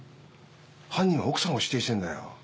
犯人は奥さんを指定してるんだよ。